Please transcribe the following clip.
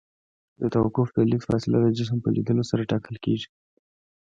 د توقف د لید فاصله د جسم په لیدلو سره ټاکل کیږي